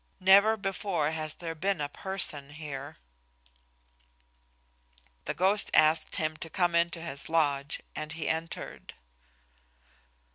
Never before has there been a person here." The ghost asked him to come into his lodge, and he entered.